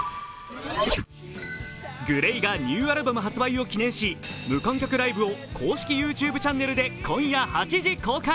ＧＬＡＹがニューアルバム発売を記念し無観客ライブを公式ＹｏｕＴｕｂｅチャンネルで今夜８時公開。